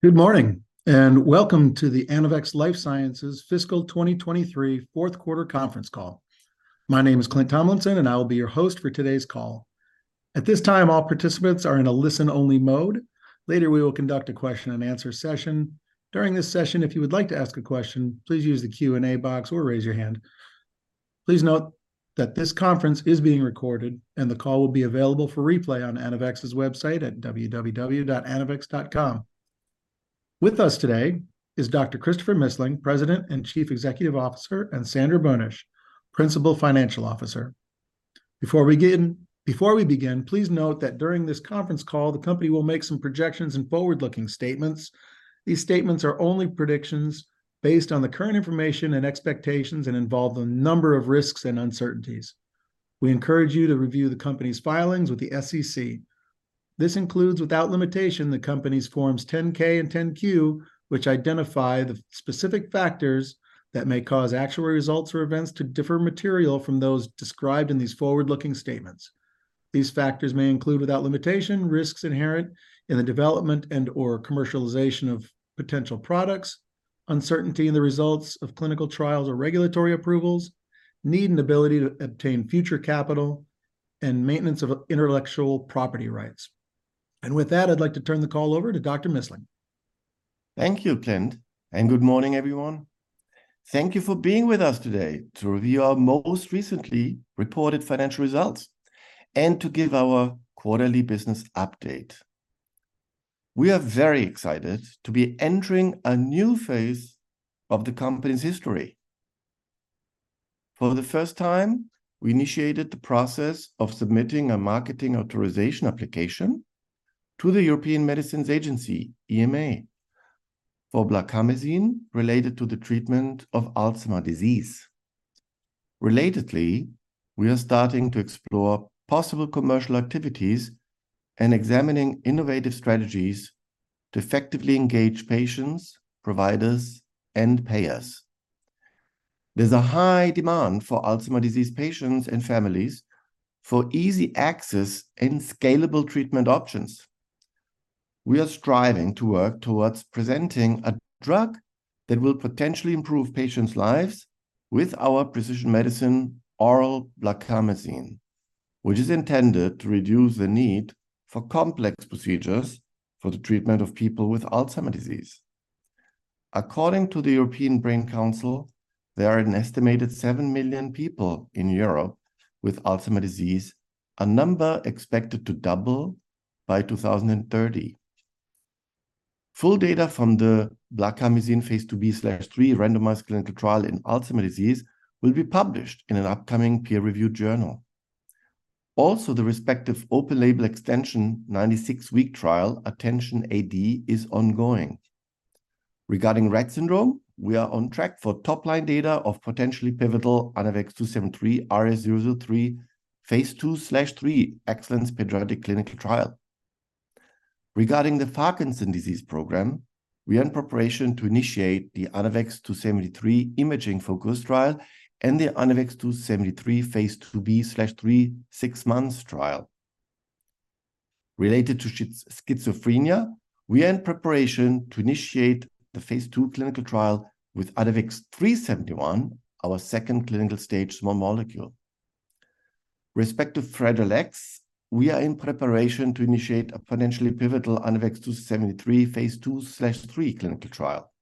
Good morning, and welcome to the Anavex Life Sciences fiscal 2023 fourth quarter conference call. My name is Clint Tomlinson, and I will be your host for today's call. At this time, all participants are in a listen-only mode. Later, we will conduct a question and answer session. During this session, if you would like to ask a question, please use the Q&A box or raise your hand. Please note that this conference is being recorded, and the call will be available for replay on Anavex's website at www.anavex.com. With us today is Dr. Christopher Missling, President and Chief Executive Officer, and Sandra Boenisch, Principal Financial Officer. Before we begin, please note that during this conference call, the company will make some projections and forward-looking statements. These statements are only predictions based on the current information and expectations and involve a number of risks and uncertainties. We encourage you to review the company's filings with the SEC. This includes, without limitation, the company's Forms 10-K and 10-Q, which identify the specific factors that may cause actual results or events to differ materially from those described in these forward-looking statements. These factors may include, without limitation, risks inherent in the development and/or commercialization of potential products, uncertainty in the results of clinical trials or regulatory approvals, need and ability to obtain future capital, and maintenance of intellectual property rights. With that, I'd like to turn the call over to Dr. Missling. Thank you, Clint, and good morning, everyone. Thank you for being with us today to review our most recently reported financial results and to give our quarterly business update. We are very excited to be entering a new phase of the company's history. For the first time, we initiated the process of submitting a marketing authorization application to the European Medicines Agency, EMA, for blarcamesine related to the treatment of Alzheimer's disease. Relatedly, we are starting to explore possible commercial activities and examining innovative strategies to effectively engage patients, providers, and payers. There's a high demand for Alzheimer's disease patients and families for easy access and scalable treatment options. We are striving to work towards presenting a drug that will potentially improve patients' lives with our precision medicine, oral blarcamesine, which is intended to reduce the need for complex procedures for the treatment of people with Alzheimer's disease. According to the European Brain Council, there are an estimated 7 million people in Europe with Alzheimer's disease, a number expected to double by 2030. Full data from the blarcamesine phase II-B/III randomized clinical trial in Alzheimer's disease will be published in an upcoming peer-reviewed journal. Also, the respective open-label extension 96-week trial, ATTENTION-AD, is ongoing. Regarding Rett syndrome, we are on track for top-line data of potentially pivotal Anavex 2-73 RS-003, phase II/III EXCELLENCE pediatric clinical trial. Regarding the Parkinson's disease program, we are in preparation to initiate the Anavex 2-73 imaging focus trial and the Anavex 2-73 phase II-B/III 6-month trial. Related to schizophrenia, we are in preparation to initiate the phase II clinical trial with Anavex 3-71, our second clinical stage small molecule. respect to Friedreich's, we are in preparation to initiate a potentially pivotal Anavex 2-73 phase II/III clinical trial.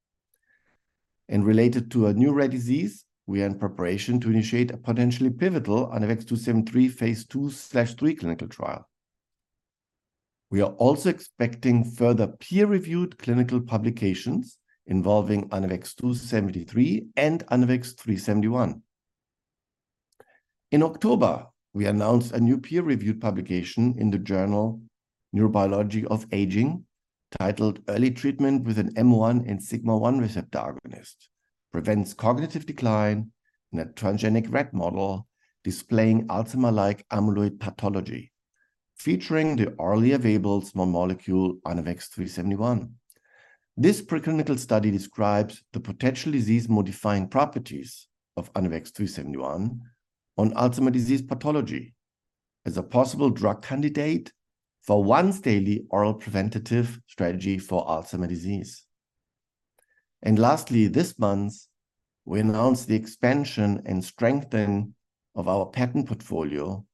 Related to a new rare disease, we are in preparation to initiate a potentially pivotal Anavex 2-73 phase II/III clinical trial. We are also expecting further peer-reviewed clinical publications involving Anavex 2-73 and Anavex 3-71. In October, we announced a new peer-reviewed publication in the journal Neurobiology of Aging, titled Early Treatment with an M1 and sigma-1 Receptor Agonist Prevents Cognitive Decline in a Transgenic Rett Model Displaying Alzheimer-like Amyloid Pathology, featuring the orally available small molecule, Anavex 3-71. This preclinical study describes the potential disease-modifying properties of Anavex 3-71 on Alzheimer's disease pathology as a possible drug candidate for once-daily oral preventative strategy for Alzheimer's disease. Lastly, this month, we announced the expansion and strengthening of our patent portfolio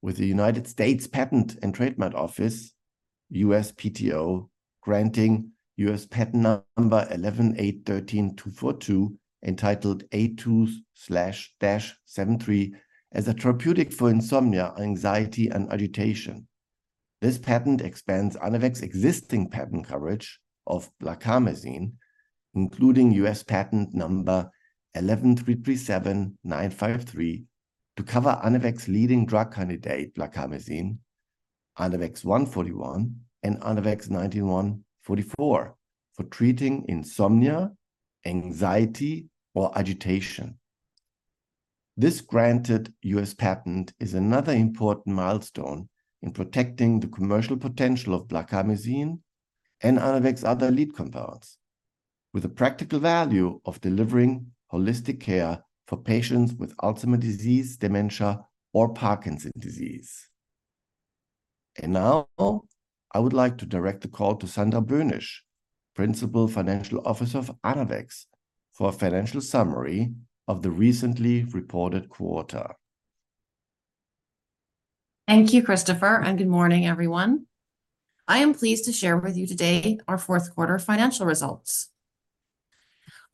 with the United States Patent and Trademark Office, USPTO, granting U.S. Patent number 11,813,242, entitled Anavex 2-73, as a therapeutic for insomnia, anxiety, and agitation. This patent expands Anavex's existing patent coverage of blarcamesine, including U.S. Patent number 11,337,953, to cover Anavex's leading drug candidate, blarcamesine, Anavex 1-41, and Anavex 19-144, for treating insomnia, anxiety, or agitation. This granted U.S. patent is another important milestone in protecting the commercial potential of blarcamesine and Anavex's other lead compounds, with a practical value of delivering holistic care for patients with Alzheimer's disease, dementia, or Parkinson's disease. Now, I would like to direct the call to Sandra Boenisch, Principal Financial Officer of Anavex, for a financial summary of the recently reported quarter. Thank you, Christopher, and good morning, everyone. I am pleased to share with you today our fourth quarter financial results.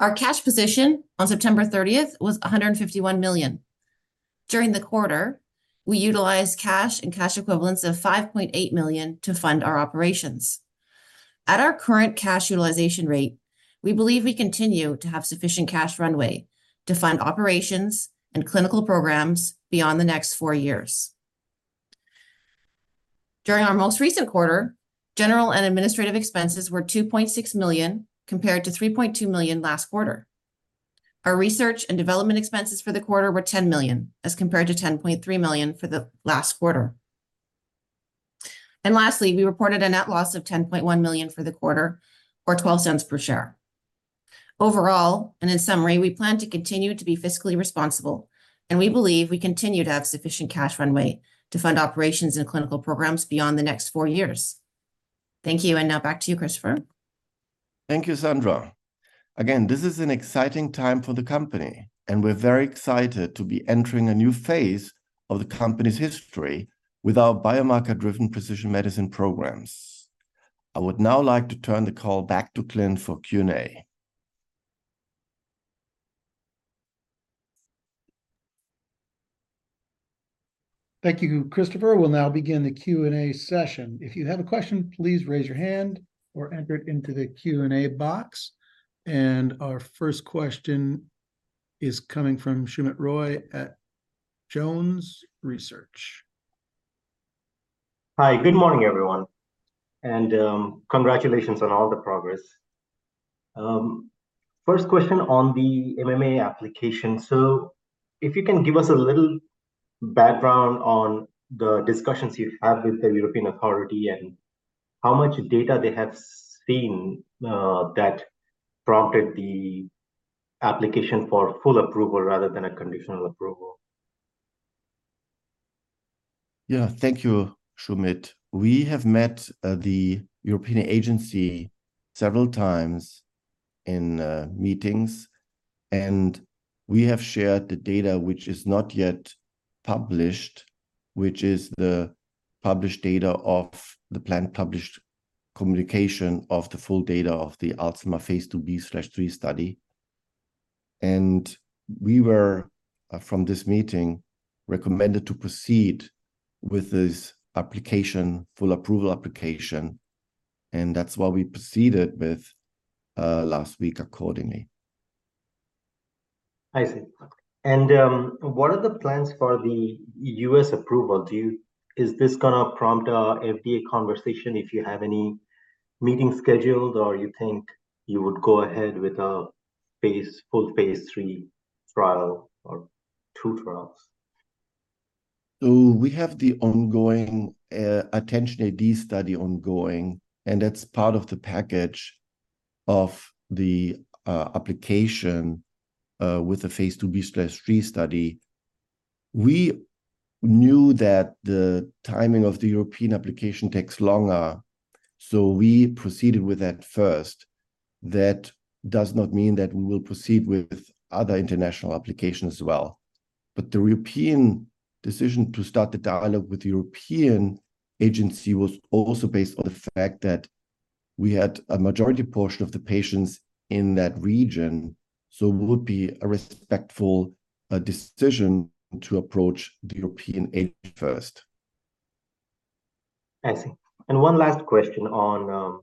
Our cash position on September 30th was $151 million. During the quarter, we utilized cash and cash equivalents of $5.8 million to fund our operations. At our current cash utilization rate, we believe we continue to have sufficient cash runway to fund operations and clinical programs beyond the next four years. During our most recent quarter, general and administrative expenses were $2.6 million, compared to $3.2 million last quarter. Our research and development expenses for the quarter were $10 million, as compared to $10.3 million for the last quarter. Lastly, we reported a net loss of $10.1 million for the quarter, or $0.12 per share. Overall, and in summary, we plan to continue to be fiscally responsible, and we believe we continue to have sufficient cash runway to fund operations and clinical programs beyond the next four years. Thank you, and now back to you, Christopher. Thank you, Sandra. Again, this is an exciting time for the company, and we're very excited to be entering a new phase of the company's history with our biomarker-driven precision medicine programs. I would now like to turn the call back to Clint for Q&A. Thank you, Christopher. We'll now begin the Q&A session. If you have a question, please raise your hand or enter it into the Q&A box. Our first question is coming from Soumit Roy at Jones Research. Hi. Good morning, everyone, and congratulations on all the progress. First question on the MAA application: so if you can give us a little background on the discussions you've had with the European authority and how much data they have seen that prompted the application for full approval rather than a conditional approval? Yeah. Thank you, Soumit. We have met the European agency several times in meetings, and we have shared the data which is not yet published, which is the published data of the planned published communication of the full data of the Alzheimer's phase II-B/III study. And we were from this meeting recommended to proceed with this application, full approval application, and that's what we proceeded with last week accordingly. I see. And, what are the plans for the U.S. approval? Do you- Is this gonna prompt a FDA conversation, if you have any meetings scheduled, or you think you would go ahead with a phase, full phase III trial or two trials? So we have the ongoing ATTENTION-AD study ongoing, and that's part of the package of the application with the phase II-B/III study. We knew that the timing of the European application takes longer, so we proceeded with that first. That does not mean that we will proceed with other international applications as well. But the European decision to start the dialogue with the European agency was also based on the fact that we had a majority portion of the patients in that region, so it would be a respectful decision to approach the European agency first. I see. And one last question on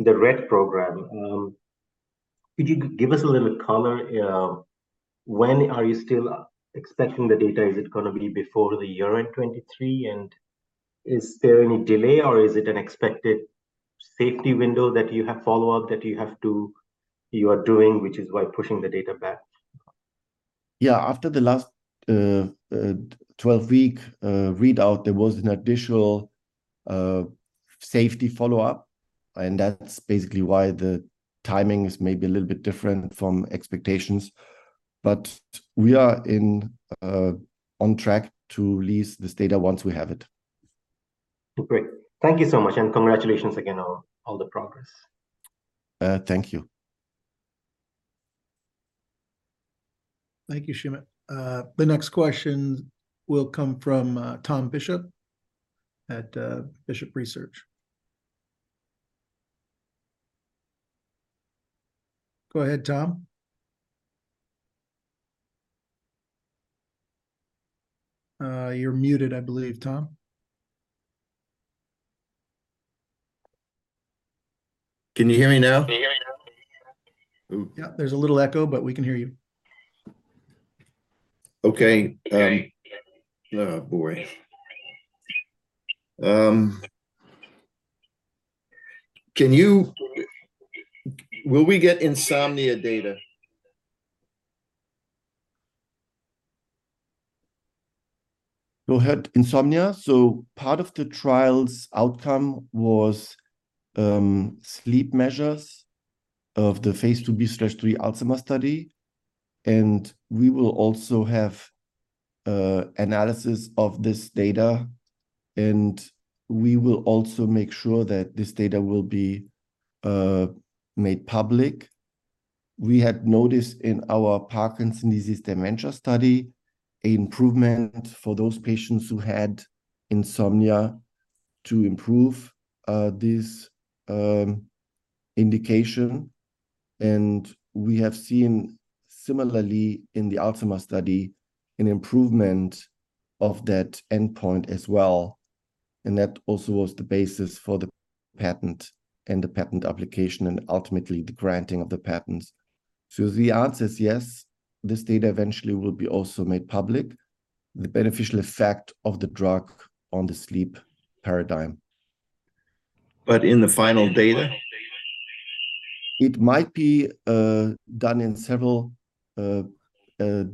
the Rett program. Could you give us a little color, when are you still expecting the data? Is it gonna be before the year-end 2023, and is there any delay, or is it an expected safety window that you have follow-up, that you have to... You are doing, which is why pushing the data back? Yeah. After the last 12-week readout, there was an additional safety follow-up, and that's basically why the timing is maybe a little bit different from expectations. But we are on track to release this data once we have it. Great. Thank you so much, and congratulations again on all the progress. Thank you. Thank you, Soumit. The next question will come from Tom Bishop at BI Research. Go ahead, Tom. You're muted, I believe, Tom. Can you hear me now? Yeah, there's a little echo, but we can hear you. Okay. Oh, boy. Will we get insomnia data? You had insomnia? So part of the trial's outcome was sleep measures of the phase II-B/III Alzheimer's study, and we will also have analysis of this data, and we will also make sure that this data will be made public. We had noticed in our Parkinson's disease dementia study an improvement for those patients who had insomnia to improve this indication, and we have seen similarly in the Alzheimer's study an improvement of that endpoint as well, and that also was the basis for the patent and the patent application, and ultimately the granting of the patents. So the answer is yes, this data eventually will be also made public, the beneficial effect of the drug on the sleep paradigm. But in the final data? It might be done in several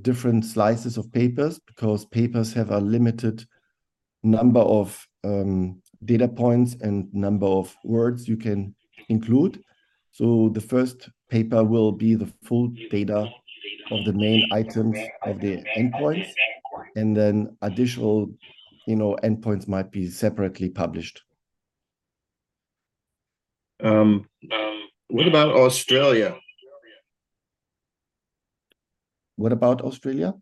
different slices of papers, because papers have a limited number of data points and number of words you can include. So the first paper will be the full data of the main items of the endpoints. And then additional, you know, endpoints might be separately published. What about Australia? What about Australia?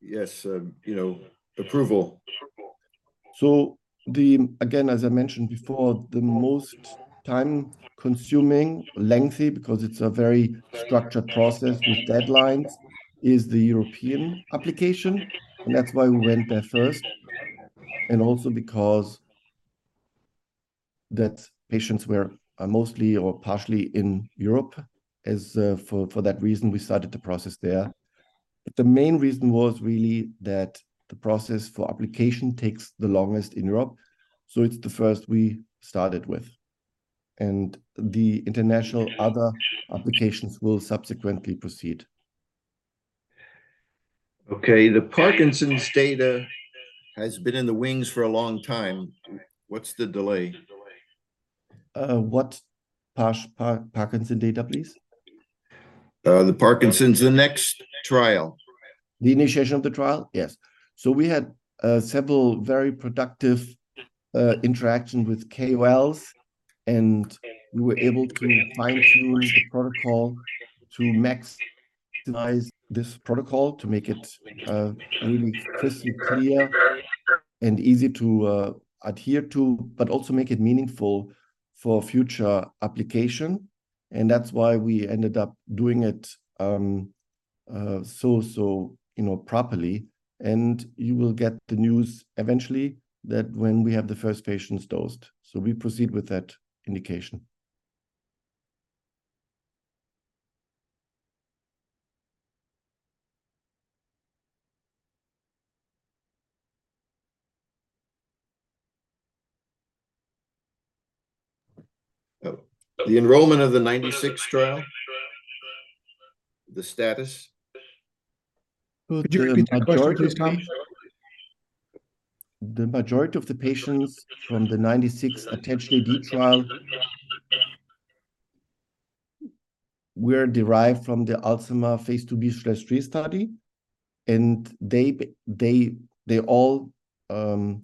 Yes, you know, approval. So, again, as I mentioned before, the most time-consuming, lengthy, because it's a very structured process with deadlines, is the European application, and that's why we went there first. And also because the patients were mostly or partially in Europe, as for that reason, we started the process there. But the main reason was really that the process for application takes the longest in Europe, so it's the first we started with, and the international other applications will subsequently proceed. Okay. The Parkinson's data has been in the wings for a long time. What's the delay? What Parkinson data, please? The Parkinson's, the next trial. The initiation of the trial? Yes. So we had several very productive interactions with KOLs, and we were able to fine-tune the protocol to maximize this protocol, to make it really crystal clear and easy to adhere to, but also make it meaningful for future application. And that's why we ended up doing it so, so, you know, properly, and you will get the news eventually that when we have the first patients dosed. So we proceed with that indication. Oh, the enrollment of the 96 trial, the status? Could you repeat the question, please, Tom? The majority of the patients from the 96 ATTENTION-AD trial were derived from the Alzheimer phase II-B/III study, and they all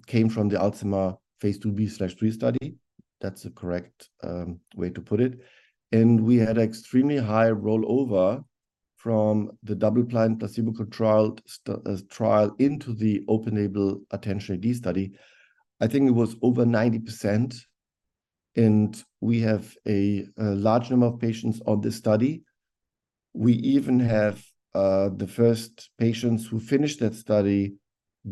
came from the Alzheimer phase II-B/III study. That's the correct way to put it. We had extremely high rollover from the double-blind placebo trial into the open-label ATTENTION-AD study. I think it was over 90%, and we have a large number of patients on this study. We even have the first patients who finished that study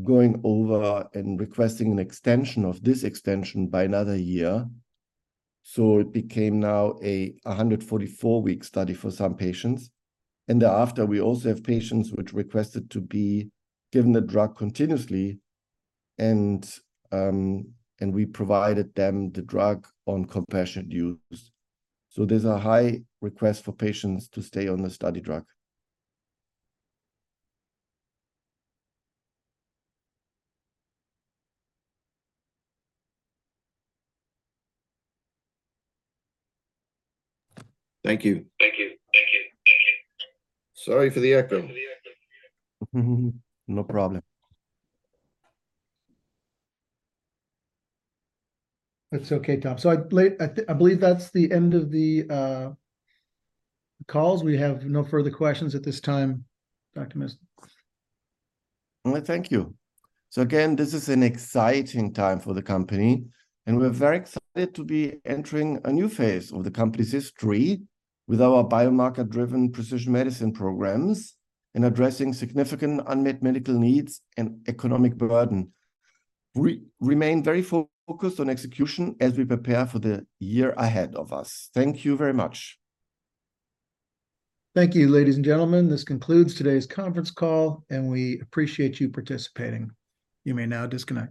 going over and requesting an extension of this extension by another year. So it became now a 144-week study for some patients. Thereafter, we also have patients which requested to be given the drug continuously, and we provided them the drug on compassionate use. There's a high request for patients to stay on the study drug. Thank you. Thank you. Thank you. Thank you. Sorry for the echo. No problem. That's okay, Tom. So I believe that's the end of the calls. We have no further questions at this time, Dr. Missling. Well, thank you. So again, this is an exciting time for the company, and we're very excited to be entering a new phase of the company's history with our biomarker-driven precision medicine programs in addressing significant unmet medical needs and economic burden. We remain very focused on execution as we prepare for the year ahead of us. Thank you very much. Thank you, ladies and gentlemen. This concludes today's conference call, and we appreciate you participating. You may now disconnect.